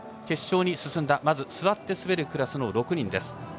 決勝に進んだ、まず座って滑るクラスの６人です。